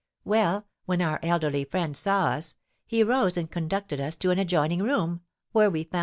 Well, when our elderly friend saw us, he rose and conducted us to an adjoining room, where we found M.